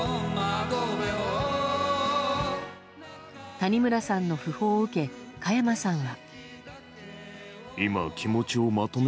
谷村さんの訃報を受け加山さんは。